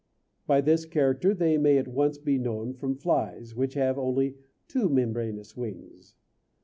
By this character they may at once be known from flies, which have only two membranous wings.